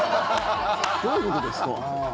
どういうことですか？